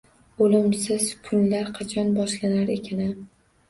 O`limsiz kunlar qachon boshlanar ekan-a